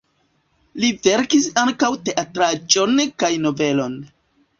Li verkis ankaŭ teatraĵon kaj novelon.